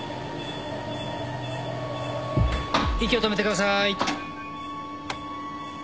息を止めてください。